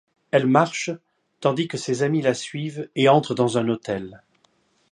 Elle marche tandis que ses amis la suivent et entrent dans un hôtel.